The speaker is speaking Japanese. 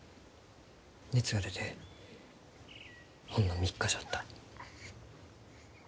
熱が出てほんの３日じゃった。